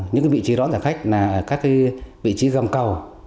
những vị trí đón trả khách là các vị trí gầm cầu